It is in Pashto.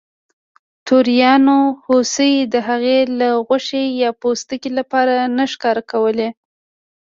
توریانو هوسۍ د هغې له غوښې یا پوستکي لپاره نه ښکار کولې.